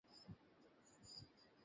ওহ, ও হচ্ছে আমার বন্ধু, থমাস অ্যান্ডারসন।